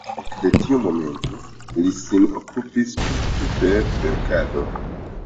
Ekde tiu momento li sin okupis tute per verkado.